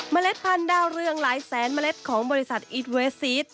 เล็ดพันธุ์ดาวเรืองหลายแสนเมล็ดของบริษัทอิทเวสซีส